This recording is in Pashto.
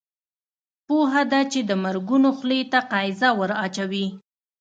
پوهه ده چې د مرګونو خولې ته قیضه ور اچوي.